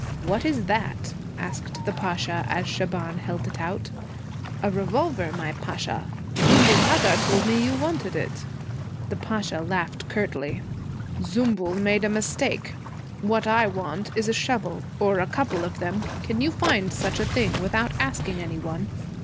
'What is that?' asked the Pasha, as Shaban held it out. 'A revolver, my Pasha. Zümbül Agha told me you wanted it.' The Pasha laughed curtly. 'Zümbül made a mistake. What I want is a shovel, or a couple of them. Can you find such a thing without asking any one?'